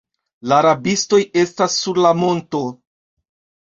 La rabistoj estas sur la monto.